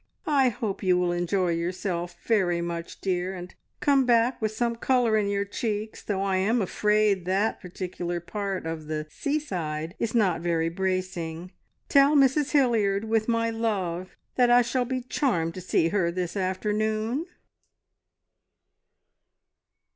"I hope you will enjoy yourself very much, dear, and come back with some colour in your cheeks, though I am afraid that particular part of the `seaside' is not very bracing. Tell Mrs Hilliard with my love that I shall be charmed to see her this afternoon!"